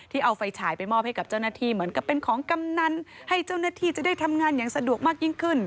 เอาไฟฉายไปมอบให้กับเจ้าหน้าที่เหมือนกับเป็นของกำนันให้เจ้าหน้าที่จะได้ทำงานอย่างสะดวกมากยิ่งขึ้น